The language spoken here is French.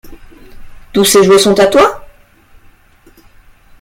Tous ces jouets sont à toi ?